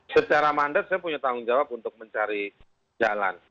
secara mandat saya punya tanggung jawab untuk mencari jalan